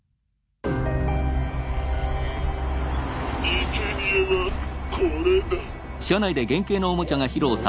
「いけにえはこれだ」。